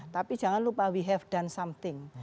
tapi jangan lupa we have dan something